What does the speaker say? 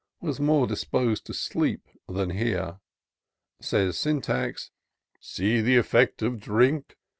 Was more dispos'd to sleep than hear. Says Syntax, " See the effect of drink